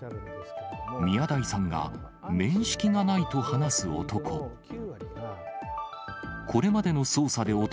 宮台さんが面識がないと話す男。